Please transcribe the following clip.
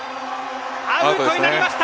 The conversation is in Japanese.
アウトになりました。